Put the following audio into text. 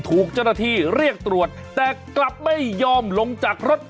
ถูกเจ้าหน้าที่เรียกตรวจแต่กลับไม่ยอมลงจากรถ